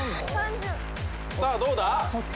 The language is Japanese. さぁどうだ？